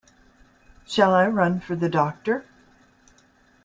Shall I run for the doctor?